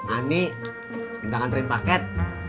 ani minta kantri paket